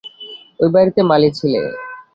ঐ বাড়িতে মালি ছিলে।